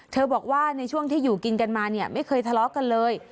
บอกว่าในช่วงที่อยู่กินกันมาเนี่ยไม่เคยทะเลาะกันเลย